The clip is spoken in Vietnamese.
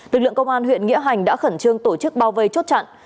lực lượng công an huyện nghĩa hành đã khẩn trương tổ chức bao vây chốt chặn